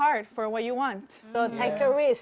jadi jika anda tidak mengambil resiko anda tidak akan tahu